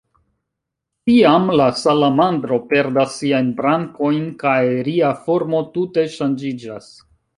Tiam, la salamandro perdas siajn brankojn, kaj ria formo tute ŝanĝiĝas.